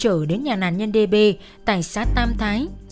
dũng được gửi đến nhà nàn nhân đê bê tại xá tam thái